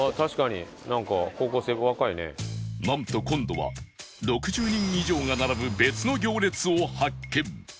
なんと今度は６０人以上が並ぶ別の行列を発見